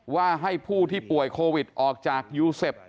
ว่าให้ผู้ที่ป่วยโควิดออกจากยูเซฟ